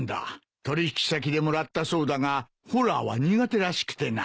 取引先でもらったそうだがホラーは苦手らしくてな。